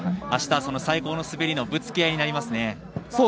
あした、最高の滑りのぶつけ合いになりますね。